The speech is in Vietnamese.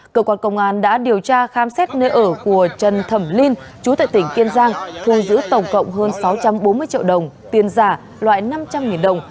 cơ quan công an đã điều tra khám xét nơi ở của trần thẩm linh chú tại tỉnh kiên giang thu giữ tổng cộng hơn sáu trăm bốn mươi triệu đồng tiền giả loại năm trăm linh đồng